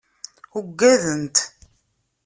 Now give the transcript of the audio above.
Uggadent.